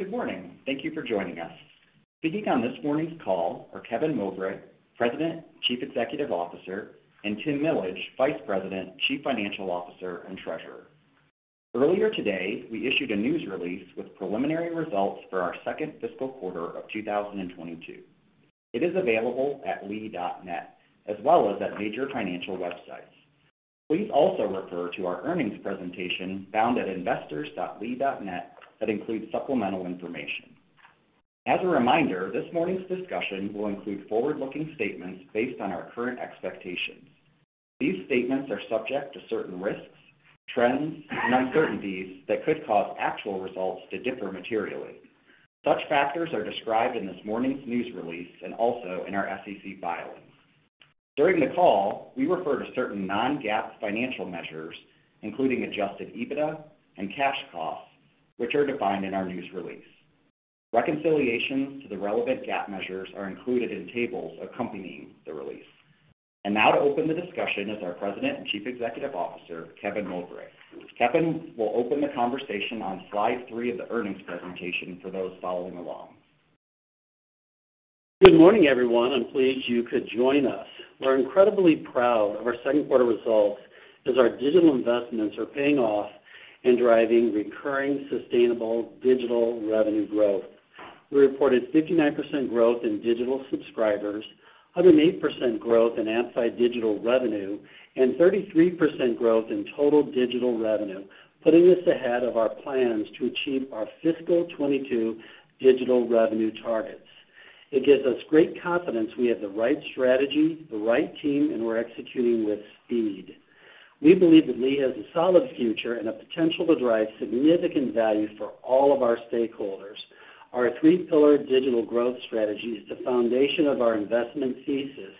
Good morning. Thank you for joining us. Speaking on this morning's call are Kevin Mowbray, President, Chief Executive Officer, and Tim Millage, Vice President, Chief Financial Officer, and Treasurer. Earlier today, we issued a news release with preliminary results for our second fiscal quarter of 2022. It is available at lee.net, as well as at major financial websites. Please also refer to our earnings presentation found at investors.lee.net that includes supplemental information. As a reminder, this morning's discussion will include forward-looking statements based on our current expectations. These statements are subject to certain risks, trends, and uncertainties that could cause actual results to differ materially. Such factors are described in this morning's news release and also in our SEC filings. During the call, we refer to certain non-GAAP financial measures, including Adjusted EBITDA and cash costs, which are defined in our news release. Reconciliations to the relevant GAAP measures are included in tables accompanying the release. Now to open the discussion is our President and Chief Executive Officer, Kevin Mowbray. Kevin will open the conversation on slide three of the earnings presentation for those following along. Good morning, everyone. I'm pleased you could join us. We're incredibly proud of our second quarter results as our digital investments are paying off and driving recurring sustainable digital revenue growth. We reported 59% growth in digital subscribers, 108% growth in Amplified Digital digital revenue, and 33% growth in total digital revenue, putting us ahead of our plans to achieve our fiscal 2022 digital revenue targets. It gives us great confidence we have the right strategy, the right team, and we're executing with speed. We believe that Lee has a solid future and a potential to drive significant value for all of our stakeholders. Our Three-Pillar Digital Growth Strategy is the foundation of our investment thesis,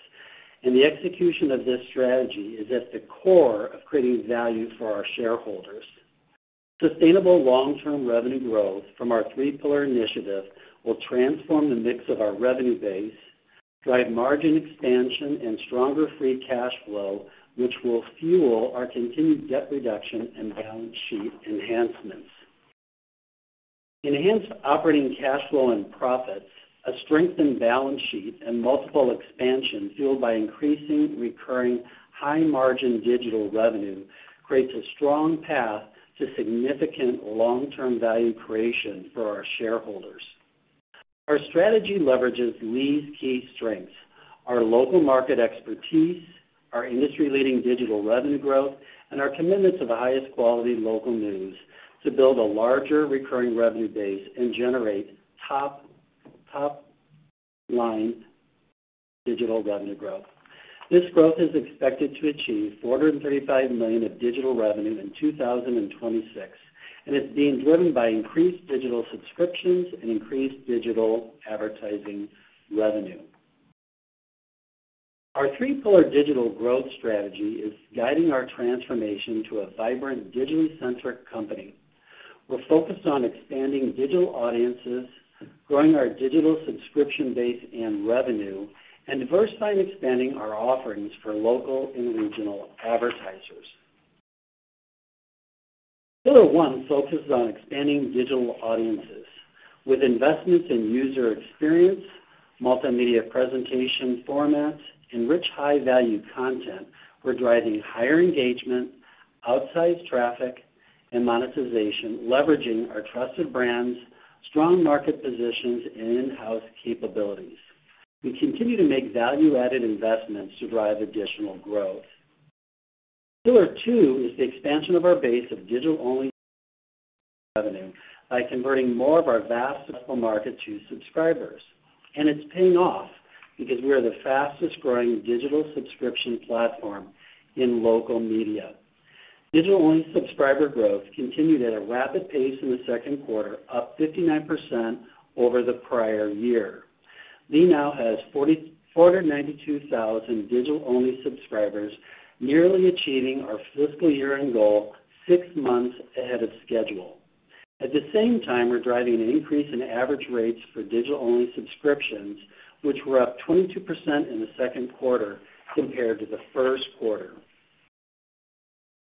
and the execution of this strategy is at the core of creating value for our shareholders. Sustainable long-term revenue growth from our three-pillar initiative will transform the mix of our revenue base, drive margin expansion and stronger free cash flow, which will fuel our continued debt reduction and balance sheet enhancements. Enhanced operating cash flow and profits, a strengthened balance sheet, and multiple expansion fueled by increasing recurring high-margin digital revenue creates a strong path to significant long-term value creation for our shareholders. Our strategy leverages Lee's key strengths, our local market expertise, our industry-leading digital revenue growth, and our commitments of highest quality local news to build a larger recurring revenue base and generate top-line digital revenue growth. This growth is expected to achieve $435 million of digital revenue in 2026, and it's being driven by increased digital subscriptions and increased digital advertising revenue. Our Three-Pillar Digital Growth Strategy is guiding our transformation to a vibrant digitally centric company. We're focused on expanding digital audiences, growing our digital subscription base and revenue, and diversifying and expanding our offerings for local and regional advertisers. Pillar one focuses on expanding digital audiences. With investments in user experience, multimedia presentation formats, and rich high-value content, we're driving higher engagement, outsized traffic, and monetization, leveraging our trusted brands, strong market positions, and in-house capabilities. We continue to make value-added investments to drive additional growth. Pillar two is the expansion of our base of digital-only revenue by converting more of our vast local market to subscribers. It's paying off because we are the fastest-growing digital subscription platform in local media. Digital-only subscriber growth continued at a rapid pace in the second quarter, up 59% over the prior year. Lee now has 492,000 digital-only subscribers, nearly achieving our fiscal year-end goal six months ahead of schedule. At the same time, we're driving an increase in average rates for digital-only subscriptions, which were up 22% in the second quarter compared to the first quarter.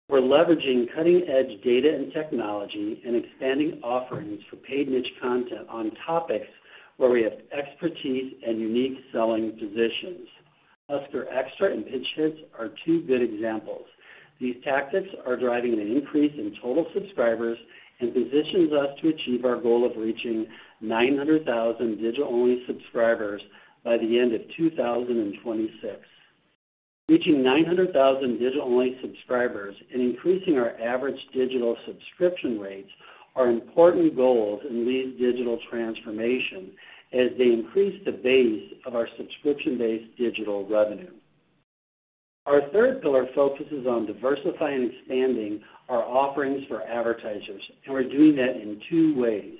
We're leveraging cutting-edge data and technology and expanding offerings for paid niche content on topics where we have expertise and unique selling positions. Husker Extra and Pigskin Hits are two good examples. These tactics are driving an increase in total subscribers and positions us to achieve our goal of reaching 900,000 digital-only subscribers by the end of 2026. Reaching 900,000 digital-only subscribers and increasing our average digital subscription rates are important goals in Lee's digital transformation as they increase the base of our subscription-based digital revenue. Our third pillar focuses on diversifying and expanding our offerings for advertisers, and we're doing that in two ways.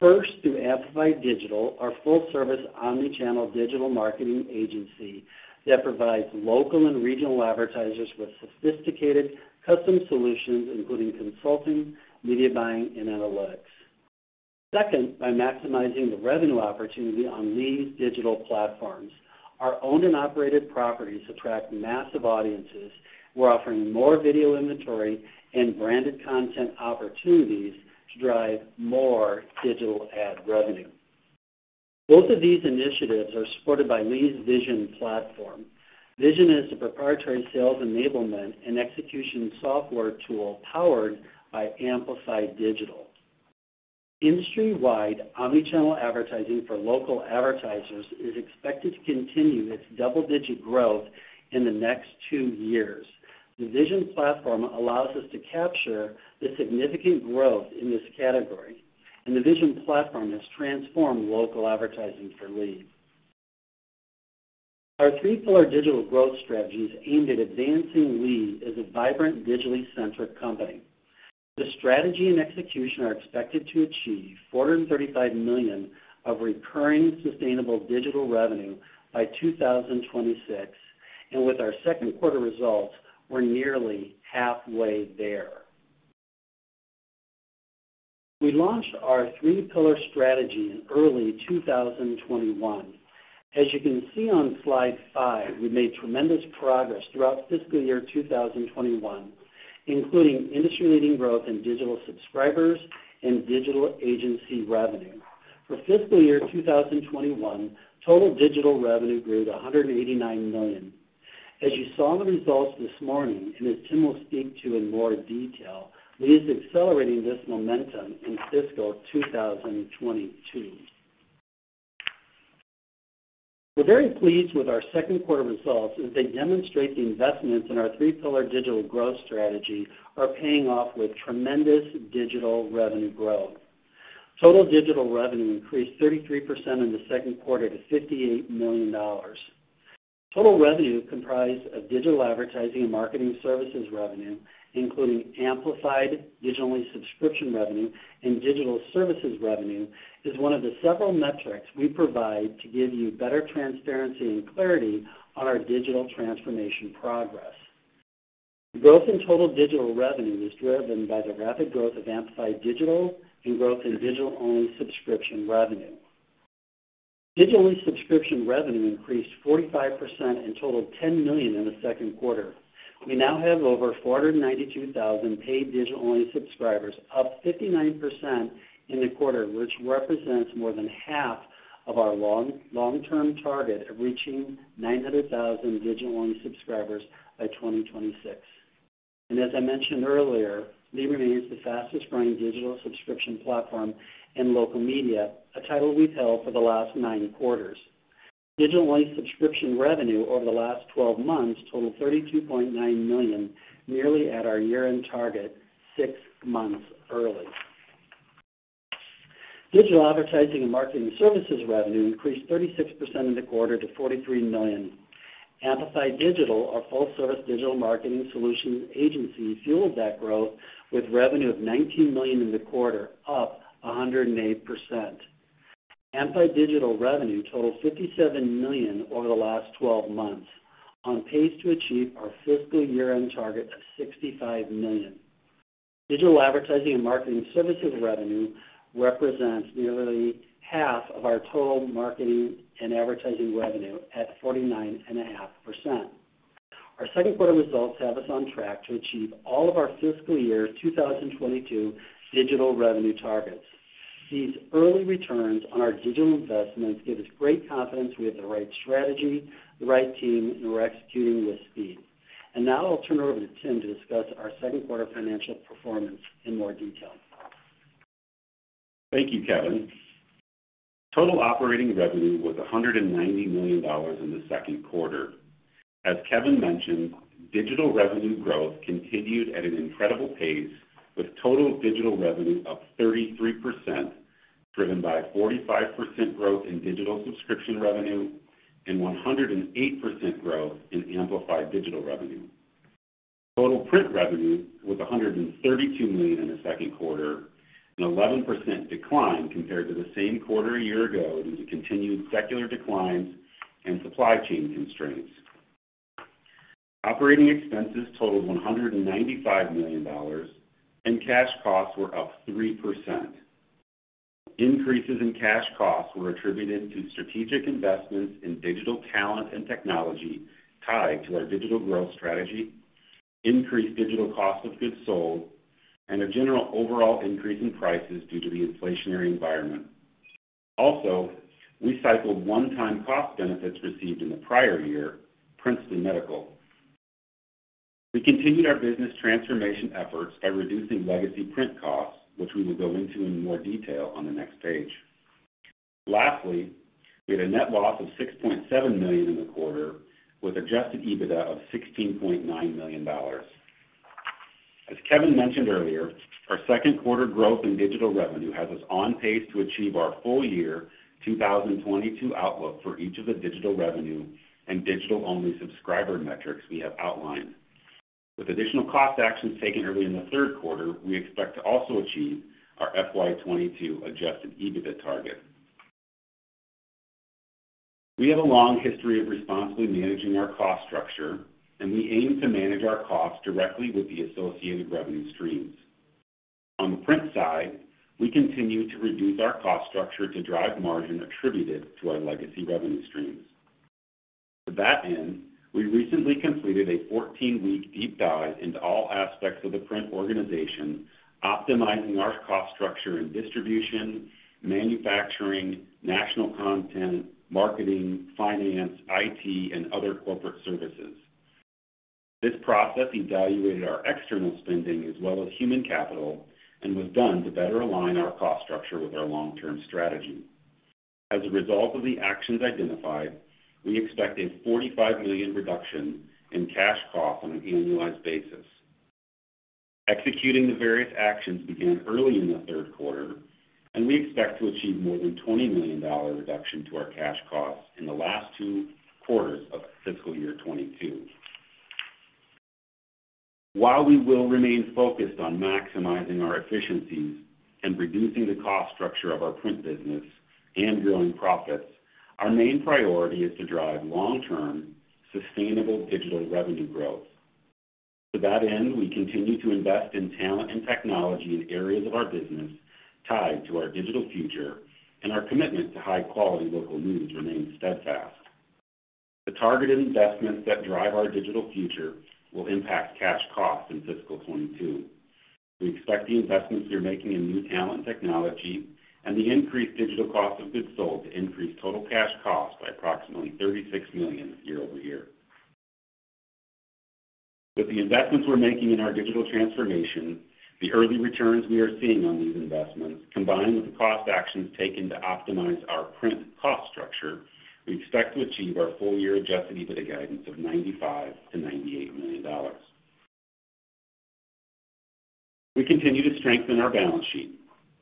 First, through Amplified Digital, our full-service omnichannel digital marketing agency that provides local and regional advertisers with sophisticated custom solutions, including consulting, media buying, and analytics. Second, by maximizing the revenue opportunity on Lee's digital platforms. Our owned and operated properties attract massive audiences. We're offering more video inventory and branded content opportunities to drive more digital ad revenue. Both of these initiatives are supported by Lee's Vision platform. Vision is a proprietary sales enablement and execution software tool powered by Amplified Digital. Industry-wide omnichannel advertising for local advertisers is expected to continue its double-digit growth in the next two years. The Vision platform allows us to capture the significant growth in this category, and the Vision platform has transformed local advertising for Lee. Our Three-Pillar Digital Growth Strategy aimed at advancing Lee as a vibrant, digitally centric company. The strategy and execution are expected to achieve $435 million of recurring sustainable digital revenue by 2026, and with our second quarter results, we're nearly halfway there. We launched our three pillar strategy in early 2021. As you can see on slide five, we made tremendous progress throughout fiscal year 2021, including industry-leading growth in digital subscribers and digital agency revenue. For fiscal year 2021, total digital revenue grew to $189 million. As you saw in the results this morning, and as Tim will speak to in more detail, Lee is accelerating this momentum in fiscal 2022. We're very pleased with our second quarter results as they demonstrate the investments in our Three-Pillar Digital Growth Strategy are paying off with tremendous digital revenue growth. Total digital revenue increased 33% in the second quarter to $58 million. Total revenue comprised of digital advertising and marketing services revenue, including Amplified Digital-only subscription revenue and digital services revenue, is one of the several metrics we provide to give you better transparency and clarity on our digital transformation progress. Growth in total digital revenue is driven by the rapid growth of Amplified Digital and growth in digital-only subscription revenue. Digital-only subscription revenue increased 45% and totaled $10 million in the second quarter. We now have over 492,000 paid digital-only subscribers, up 59% in the quarter, which represents more than half of our long, long-term target of reaching 900,000 digital-only subscribers by 2026. As I mentioned earlier, Lee remains the fastest growing digital subscription platform in local media, a title we've held for the last nine quarters. Digital-only subscription revenue over the last 12 months totaled $32.9 million, nearly at our year-end target six months early. Digital advertising and marketing services revenue increased 36% in the quarter to $43 million. Amplified Digital, our full service digital marketing solutions agency, fueled that growth with revenue of $19 million in the quarter, up 108%. Amplified Digital revenue totaled $57 million over the last 12 months, on pace to achieve our fiscal year-end target of $65 million. Digital advertising and marketing services revenue represents nearly half of our total marketing and advertising revenue at 49.5%. Our second quarter results have us on track to achieve all of our fiscal year 2022 digital revenue targets. These early returns on our digital investments give us great confidence we have the right strategy, the right team, and we're executing with speed. Now I'll turn it over to Tim to discuss our second quarter financial performance in more detail. Thank you, Kevin. Total operating revenue was $190 million in the second quarter. As Kevin mentioned, digital revenue growth continued at an incredible pace, with total digital revenue up 33%, driven by a 45% growth in digital subscription revenue and 108% growth in Amplified Digital revenue. Total print revenue was $132 million in the second quarter, an 11% decline compared to the same quarter a year ago due to continued secular declines and supply chain constraints. Operating expenses totaled $195 million, and cash costs were up 3%. Increases in cash costs were attributed to strategic investments in digital talent and technology tied to our digital growth strategy, increased digital cost of goods sold, and a general overall increase in prices due to the inflationary environment. Also, we cycled one-time cost benefits received in the prior year, print and medical. We continued our business transformation efforts by reducing legacy print costs, which we will go into in more detail on the next page. Lastly, we had a net loss of $6.7 million in the quarter, with Adjusted EBITDA of $16.9 million. As Kevin mentioned earlier, our second quarter growth in digital revenue has us on pace to achieve our full year 2022 outlook for each of the digital revenue and digital-only subscriber metrics we have outlined. With additional cost actions taken early in the third quarter, we expect to also achieve our FY 2022 Adjusted EBITDA target. We have a long history of responsibly managing our cost structure, and we aim to manage our costs directly with the associated revenue streams. On the print side, we continue to reduce our cost structure to drive margin attributed to our legacy revenue streams. To that end, we recently completed a 14-week deep dive into all aspects of the print organization, optimizing our cost structure and distribution, manufacturing, national content, marketing, finance, IT, and other corporate services. This process evaluated our external spending as well as human capital, and was done to better align our cost structure with our long-term strategy. As a result of the actions identified, we expect a $45 million reduction in cash costs on an annualized basis. Executing the various actions began early in the third quarter, and we expect to achieve more than $20 million reduction to our cash costs in the last two quarters of fiscal year 2022. While we will remain focused on maximizing our efficiencies and reducing the cost structure of our print business and growing profits, our main priority is to drive long-term sustainable digital revenue growth. To that end, we continue to invest in talent and technology in areas of our business tied to our digital future, and our commitment to high quality local news remains steadfast. The targeted investments that drive our digital future will impact cash costs in fiscal 2022. We expect the investments we are making in new talent technology and the increased digital cost of goods sold to increase total cash costs by approximately $36 million year-over-year. With the investments we're making in our digital transformation, the early returns we are seeing on these investments, combined with the cost actions taken to optimize our print cost structure, we expect to achieve our full-year Adjusted EBITDA guidance of $95 million-$98 million. We continue to strengthen our balance sheet,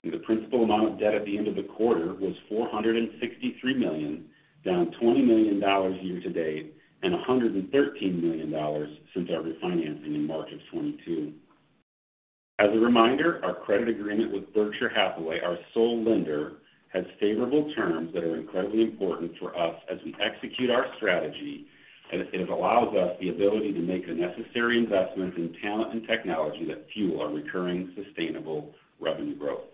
and the principal amount of debt at the end of the quarter was $463 million, down $20 million year-to-date, and $113 million since our refinancing in March 2022. As a reminder, our credit agreement with Berkshire Hathaway, our sole lender, has favorable terms that are incredibly important for us as we execute our strategy, and it allows us the ability to make the necessary investments in talent and technology that fuel our recurring sustainable revenue growth.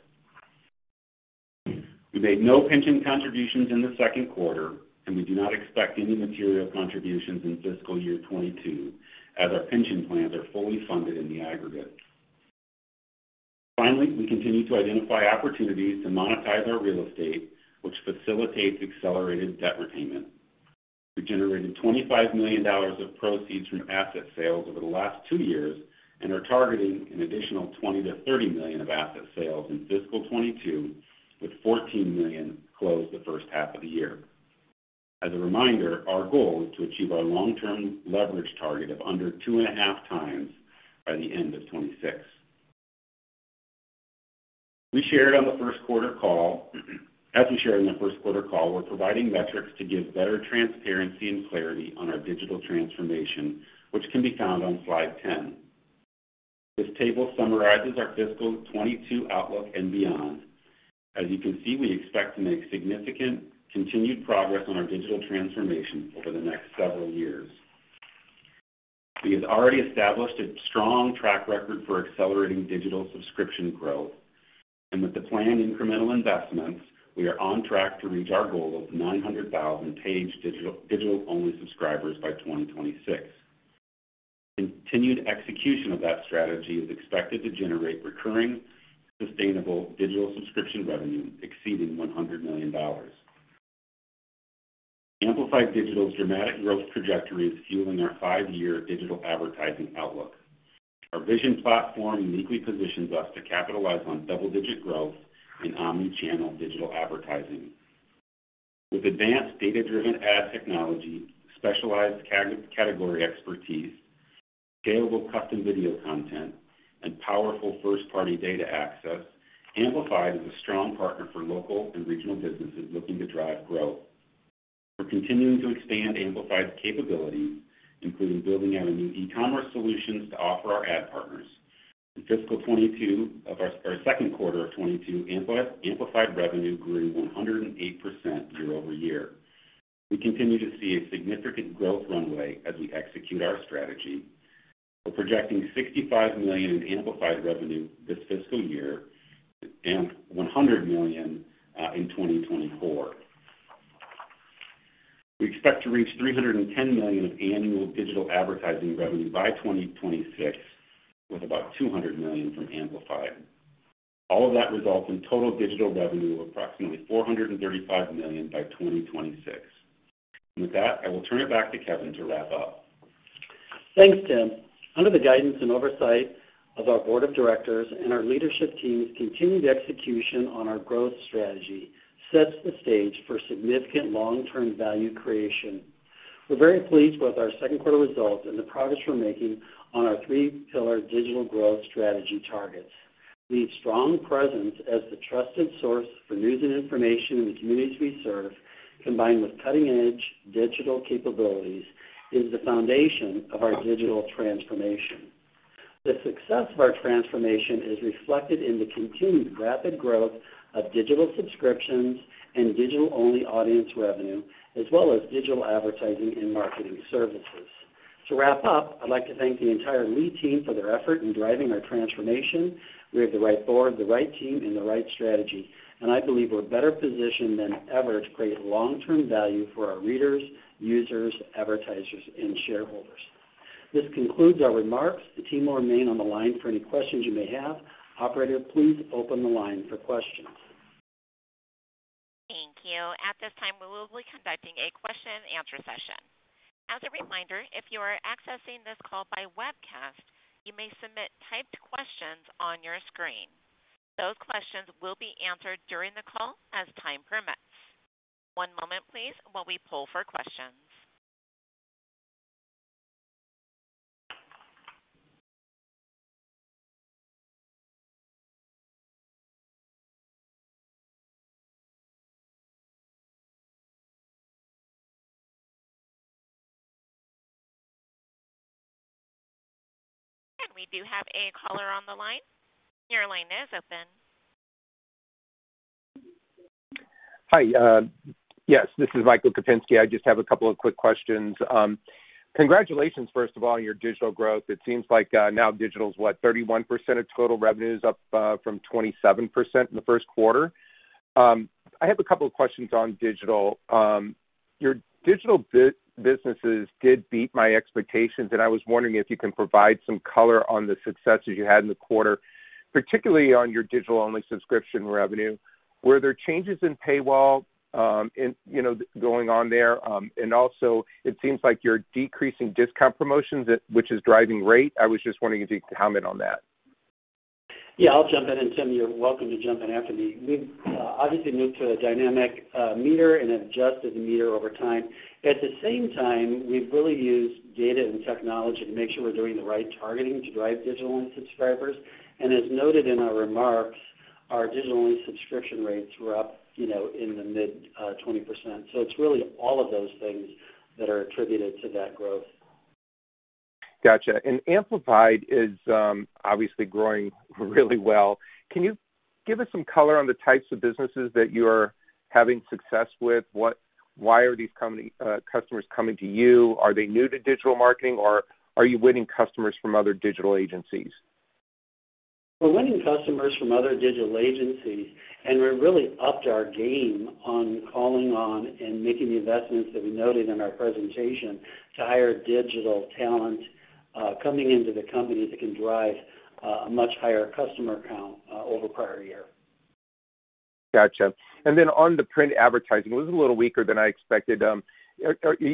We made no pension contributions in the second quarter, and we do not expect any material contributions in fiscal year 2022 as our pension plans are fully funded in the aggregate. Finally, we continue to identify opportunities to monetize our real estate, which facilitates accelerated debt repayment. We generated $25 million of proceeds from asset sales over the last two years and are targeting an additional $20 million-$30 million of asset sales in fiscal 2022, with $14 million closed the first half of the year. As a reminder, our goal is to achieve our long-term leverage target of under 2.5x by the end of 2026. As we shared on the first quarter call, we're providing metrics to give better transparency and clarity on our digital transformation, which can be found on slide 10. This table summarizes our FY 2022 outlook and beyond. As you can see, we expect to make significant continued progress on our digital transformation over the next several years. We have already established a strong track record for accelerating digital subscription growth, and with the planned incremental investments, we are on track to reach our goal of 900,000 paid digital-only subscribers by 2026. Continued execution of that strategy is expected to generate recurring, sustainable digital subscription revenue exceeding $100 million. Amplified Digital's dramatic growth trajectory is fueling our 5 year digital advertising outlook. Our Vision platform uniquely positions us to capitalize on double-digit growth in omnichannel digital advertising. With advanced data-driven ad technology, specialized category expertise, scalable custom video content, and powerful first-party data access, Amplified is a strong partner for local and regional businesses looking to drive growth. We're continuing to expand Amplified's capabilities, including building out a new e-commerce solutions to offer our ad partners. In fiscal 2022, our second quarter of 2022, Amplified revenue grew 108% year-over-year. We continue to see a significant growth runway as we execute our strategy. We're projecting $65 million in Amplified revenue this fiscal year and $100 million in 2024. We expect to reach $310 million of annual digital advertising revenue by 2026, with about $200 million from Amplified. All of that results in total digital revenue of approximately $435 million by 2026. With that, I will turn it back to Kevin to wrap up. Thanks, Tim. Under the guidance and oversight of our board of directors and our leadership team's continued execution on our growth strategy sets the stage for significant long-term value creation. We're very pleased with our second quarter results and the progress we're making on our three pillar digital growth strategy targets. The strong presence as the trusted source for news and information in the communities we serve, combined with cutting-edge digital capabilities, is the foundation of our digital transformation. The success of our transformation is reflected in the continued rapid growth of digital subscriptions and digital-only audience revenue, as well as digital advertising and marketing services. To wrap up, I'd like to thank the entire Lee team for their effort in driving our transformation. We have the right board, the right team, and the right strategy, and I believe we're better positioned than ever to create long-term value for our readers, users, advertisers, and shareholders. This concludes our remarks. The team will remain on the line for any questions you may have. Operator, please open the line for questions. Thank you. At this time, we will be conducting a question and answer session. As a reminder, if you are accessing this call by webcast, you may submit typed questions on your screen. Those questions will be answered during the call as time permits. One moment please while we poll for questions. We do have a caller on the line. Your line is open. Hi, yes, this is Michael Kupinski. I just have a couple of quick questions. Congratulations, first of all, on your digital growth. It seems like now digital is, what, 31% of total revenue is up from 27% in the first quarter. I have a couple of questions on digital. Your digital businesses did beat my expectations, and I was wondering if you can provide some color on the successes you had in the quarter, particularly on your digital-only subscription revenue. Were there changes in paywall, in, you know, going on there? Also, it seems like you're decreasing discount promotions at which is driving rate. I was just wondering if you could comment on that. Yeah, I'll jump in, and Tim, you're welcome to jump in after me. We've obviously moved to a dynamic meter and adjusted the meter over time. At the same time, we've really used data and technology to make sure we're doing the right targeting to drive digital-only subscribers. And as noted in our remarks, our digital-only subscription rates were up, you know, in the mid-20%. It's really all of those things that are attributed to that growth. Gotcha. Amplified is obviously growing really well. Can you give us some color on the types of businesses that you're having success with? Why are these customers coming to you? Are they new to digital marketing, or are you winning customers from other digital agencies? We're winning customers from other digital agencies, and we really upped our game on calling on and making the investments that we noted in our presentation to hire digital talent, coming into the company that can drive a much higher customer count, over prior year. Gotcha. On the print advertising, it was a little weaker than I expected.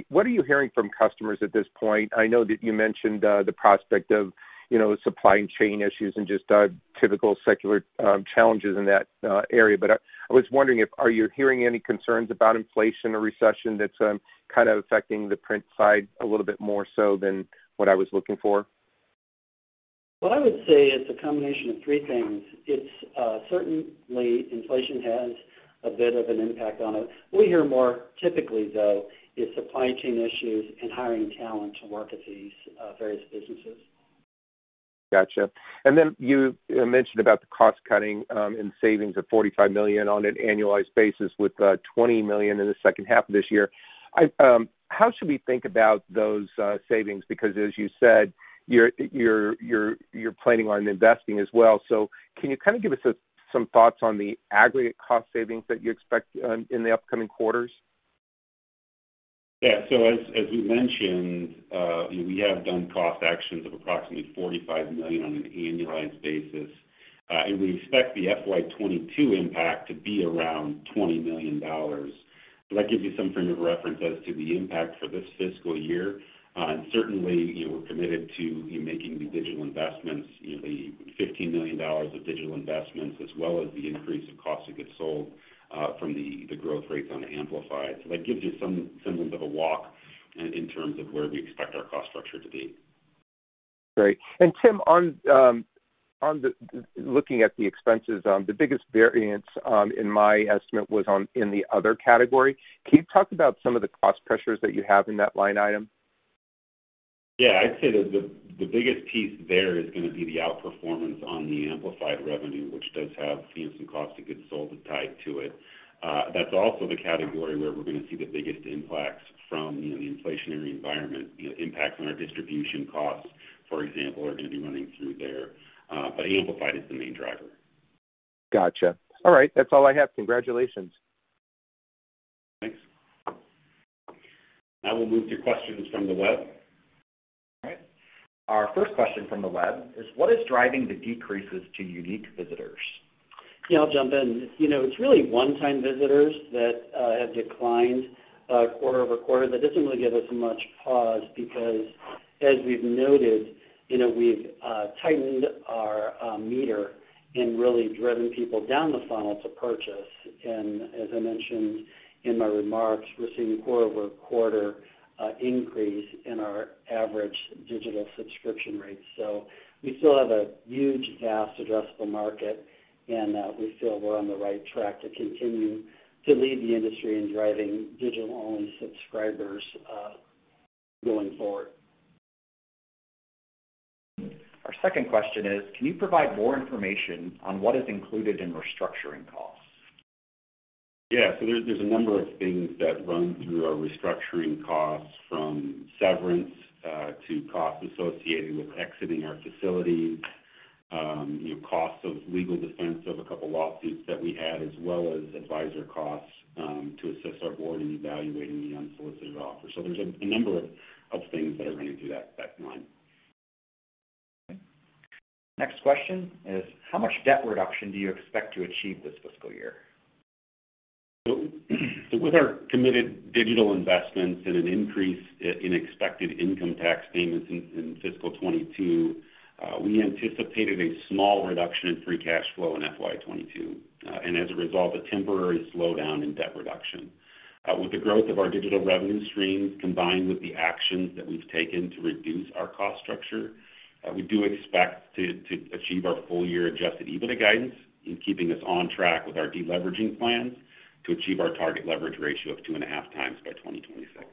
What are you hearing from customers at this point? I know that you mentioned the prospect of, you know, supply chain issues and just typical secular challenges in that area. I was wondering, are you hearing any concerns about inflation or recession that's kind of affecting the print side a little bit more so than what I was looking for? What I would say it's a combination of three things. It's certainly inflation has a bit of an impact on it. We hear more typically, though, is supply chain issues and hiring talent to work at these various businesses. Gotcha. Then you mentioned about the cost-cutting and savings of $45 million on an annualized basis with $20 million in the second half of this year. How should we think about those savings? Because as you said, you're planning on investing as well. Can you kind of give us some thoughts on the aggregate cost savings that you expect in the upcoming quarters? Yeah, as we mentioned, we have done cost actions of approximately $45 million on an annualized basis. We expect the FY 2022 impact to be around $20 million. That gives you some frame of reference as to the impact for this fiscal year. Certainly, you know, we're committed to making the digital investments, you know, the $15 million of digital investments, as well as the increase of cost of goods sold from the growth rates on Amplified. That gives you some semblance of a walk in terms of where we expect our cost structure to be. Great. Tim, on looking at the expenses, the biggest variance in my estimate was in the other category. Can you talk about some of the cost pressures that you have in that line item? Yeah. I'd say that the biggest piece there is gonna be the outperformance on the Amplified revenue, which does have, you know, some cost of goods sold tied to it. That's also the category where we're gonna see the biggest impacts from, you know, the inflationary environment. You know, impacts on our distribution costs, for example, are gonna be running through there. Amplified is the main driver. Gotcha. All right, that's all I have. Congratulations. Thanks. Now we'll move to questions from the web. All right. Our first question from the web is what is driving the decreases to unique visitors? Yeah, I'll jump in. You know, it's really one-time visitors that have declined quarter-over-quarter. That doesn't really give us much pause because as we've noted, you know, we've tightened our meter and really driven people down the funnel to purchase. As I mentioned in my remarks, we're seeing quarter-over-quarter increase in our average digital subscription rates. We still have a huge, vast addressable market, and we feel we're on the right track to continue to lead the industry in driving digital-only subscribers going forward. Our second question is, can you provide more information on what is included in restructuring costs? Yeah. There's a number of things that run through our restructuring costs, from severance to costs associated with exiting our facilities, you know, costs of legal defense of a couple lawsuits that we had, as well as advisor costs to assist our board in evaluating the unsolicited offer. There's a number of things that are running through that line. Next question is how much debt reduction do you expect to achieve this fiscal year? With our committed digital investments and an increase in expected income tax payments in fiscal 2022, we anticipated a small reduction in free cash flow in FY 2022, and as a result, a temporary slowdown in debt reduction. With the growth of our digital revenue streams, combined with the actions that we've taken to reduce our cost structure, we do expect to achieve our full year Adjusted EBITDA guidance in keeping us on track with our deleveraging plans to achieve our target leverage ratio of 2.5x by 2026.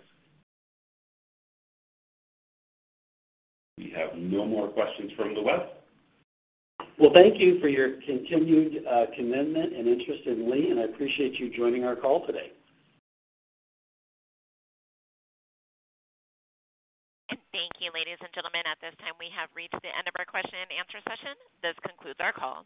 We have no more questions from the web. Well, thank you for your continued commitment and interest in Lee, and I appreciate you joining our call today. Thank you, ladies and gentlemen. At this time, we have reached the end of our question and answer session. This concludes our call.